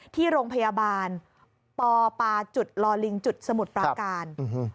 ที่โรงพยาบาลปปรลสมุดประการ